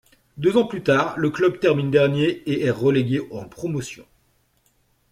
Deux ans plus tard, le club termine dernier et est relégué en Promotion.